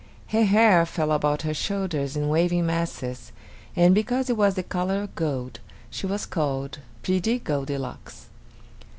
Her hair fell about her shoulders in waving masses, and because it was the color of gold, she was called Pretty Goldilocks.